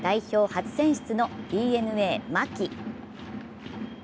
初選出のＤｅＮＡ・牧。